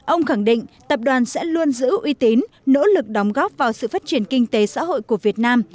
ông khẳng định tập đoàn sẽ luôn giữ uy tín nỗ lực đóng góp vào sự phát triển kinh tế xã hội của việt nam